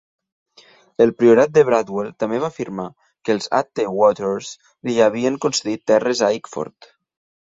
El priorat de Bradwell també va afirmar que els atte Watters li havien concedit terres a Ickford.